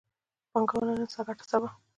پانګونه نن، ګټه سبا